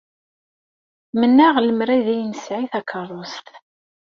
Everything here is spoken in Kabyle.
Mennaɣ lemmer d ay nesɛi takeṛṛust.